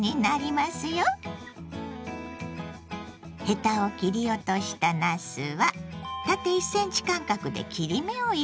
ヘタを切り落としたなすは縦１ｃｍ間隔で切り目を入れます。